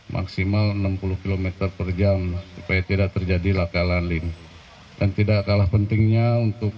maksimal enam puluh km per jam supaya tidak terjadi laka landling dan tidak kalah pentingnya untuk